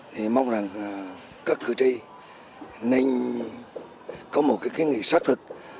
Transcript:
thì mong rằng các cử tri ninh có một cái kinh nghiệm xác thực